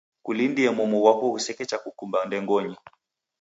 Kulindie momu ghwako ghusechekukumba ndengonyi.